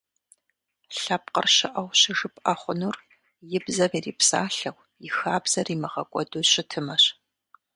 Лъэпкъыр щыӀэу щыжыпӀэ хъунур и бзэм ирипсалъэу, и хабзэр имыгъэкӀуэду щытымэщ.